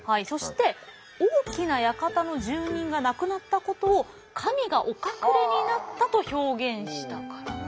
そして大きな館の住人が亡くなったことを神がお隠れになったと表現したから。